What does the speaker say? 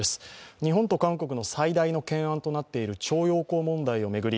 日本と韓国の最大の懸案となっていに徴用工問題を巡り